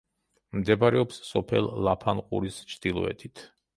მდებარეობს სოფელ ლაფანყურის ჩრდილოეთით.